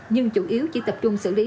nhưng chủ yếu chỉ tập trung xử lý